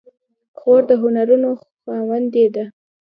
خور د هنرونو خاوندې ده.